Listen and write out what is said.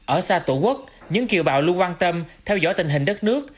ở xa tổ quốc những kiều bào luôn quan tâm theo dõi tình hình đất nước